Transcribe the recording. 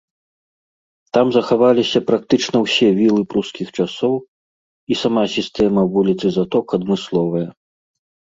Там захаваліся практычна ўсе вілы прускіх часоў, і сама сістэма вуліц і заток адмысловая.